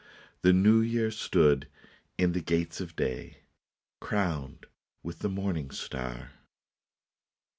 The New Year stood in the gates of day, Crowned with the morning star.